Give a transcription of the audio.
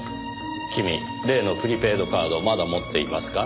君例のプリペイドカードをまだ持っていますか？